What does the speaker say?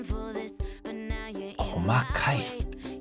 細かい。